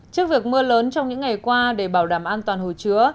trước việc mưa lớn trong những ngày qua để bảo đảm an toàn hồ chứa